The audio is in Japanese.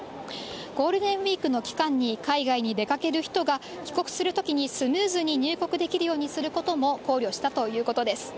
ゴールデンウィークの期間に海外に出かける人が、帰国するときにスムーズに入国できるようにすることも考慮したということです。